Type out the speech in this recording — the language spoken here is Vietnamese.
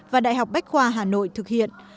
và đại học bách khoa hà nội thực hiện